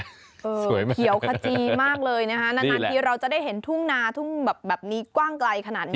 เขียวขจีมากเลยนะฮะนานทีเราจะได้เห็นทุ่งนาทุ่งแบบนี้กว้างไกลขนาดนี้